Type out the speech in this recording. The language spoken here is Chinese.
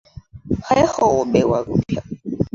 还好我没玩股票。